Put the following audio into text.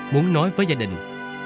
muốn nói với gia đình